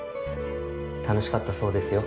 楽しかったそうですよ。